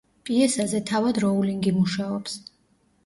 პიესაზე თავად როულინგი მუშაობს.